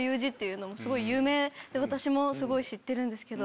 私もすごい知ってるんですけど。